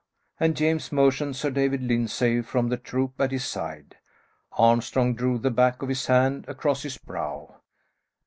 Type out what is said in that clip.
and James motioned Sir David Lyndsay from the troop at his side. Armstrong drew the back of his hand across his brow.